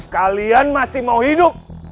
kalian masih mau hidup